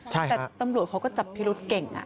แต่ตำรวจเขาก็จับพิรุษเก่ง